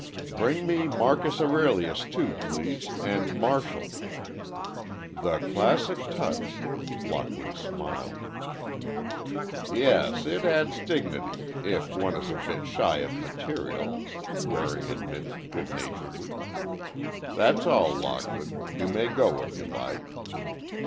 "Bring me Marcus Aurelius, too, please, and Martial." "The classic touch," Lockwood smiled. "Yes, it adds dignity, if one is a bit shy of material," Waring admitted, good naturedly. "That's all, Lockwood. You may go, if you like."